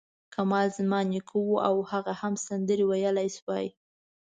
کمال زما نیکه و او هغه هم سندرې ویلای شوې.